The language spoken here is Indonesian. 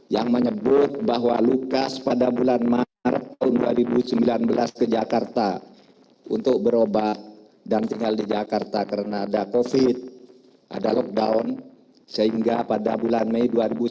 yang menyebut bahwa lukas pada bulan maret tahun dua ribu sembilan belas ke jakarta untuk berobat dan tinggal di jakarta karena ada covid ada lockdown sehingga pada bulan mei dua ribu sembilan belas